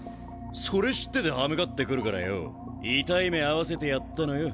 それ知ってて刃向かってくるからよ痛い目遭わせてやったのよ。